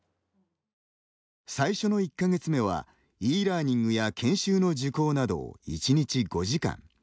最初の１か月目はｅラーニングや研修の受講などを１日５時間。